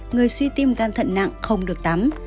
người suy tim gan thận nặng không được tắm